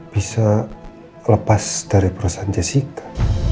bisa lepas dari perasaan jessica